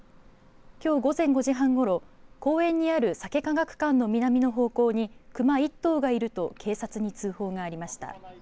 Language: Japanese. きょう午前５時半ごろ公園にあるさけ科学館の南の方向に熊１頭がいると警察に通報がありました。